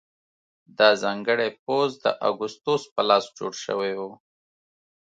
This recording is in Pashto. دا ځانګړی پوځ د اګوستوس په لاس جوړ شوی و